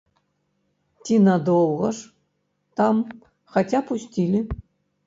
Ці надоўга ж, там, хаця пусцілі?